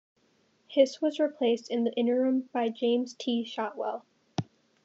Hiss was replaced in the interim by James T. Shotwell.